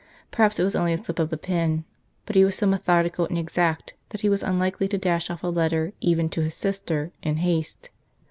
Per haps it was only a slip of the pen, but he was so methodical and exact that he was unlikely to dash off a letter even to his sister in haste.